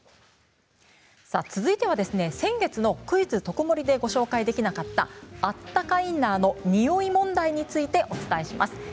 続いては、先月の「クイズとくもり」でご紹介できなかったあったかインナーのにおい問題についてお伝えします。